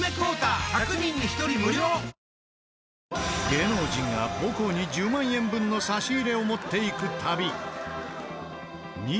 芸能人が母校に１０万円分の差し入れを持っていく旅。